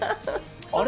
あれ？